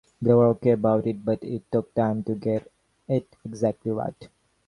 They were okay about it, but it took time to get it exactly right.